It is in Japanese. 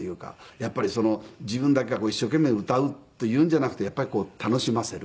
やっぱり自分だけが一生懸命歌うっていうんじゃなくて楽しませる。